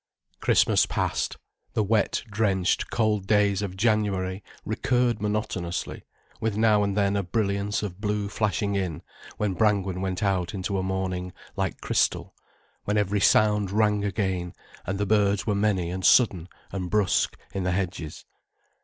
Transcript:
Christmas passed, the wet, drenched, cold days of January recurred monotonously, with now and then a brilliance of blue flashing in, when Brangwen went out into a morning like crystal, when every sound rang again, and the birds were many and sudden and brusque in the hedges.